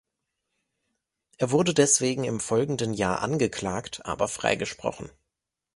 Er wurde deswegen im folgenden Jahr angeklagt, aber freigesprochen.